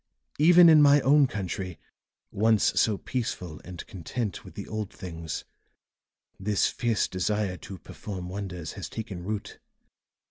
"Even in my own country, once so peaceful and content with the old things, this fierce desire to perform wonders has taken root.